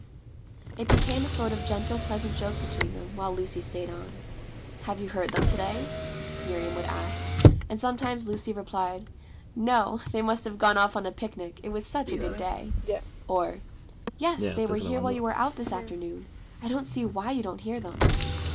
It became a sort of gentle pleasant joke between them, while Lucy stayed on. 'Have you heard them to day?' Miriam would ask; and sometimes Lucy replied, 'No; they must have gone off on a picnic; it was such a good day'; or 'Yes; they were here while you were out this afternoon. I don't see why you don't hear them.'